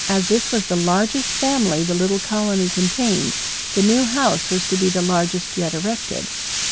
As this was the largest family the little colony contained, the new house was to be the largest yet erected.